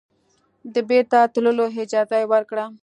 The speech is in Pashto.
د بیرته تللو اجازه یې ورکړه.